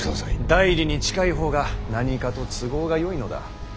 内裏に近い方が何かと都合がよいのだ。